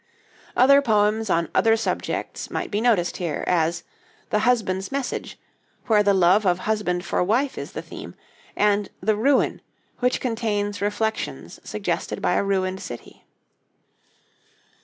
Other poems on other subjects might be noticed here; as 'The Husband's Message,' where the love of husband for wife is the theme, and 'The Ruin,' which contains reflections suggested by a ruined city.